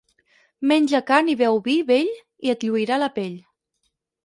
Menja carn i beu vi vell i et lluirà la pell.